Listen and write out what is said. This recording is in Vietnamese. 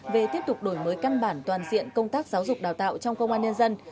về tiếp tục đổi mới căn bản toàn diện công tác giáo dục đào tạo trong công an nhân dân